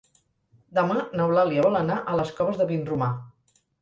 Demà n'Eulàlia vol anar a les Coves de Vinromà.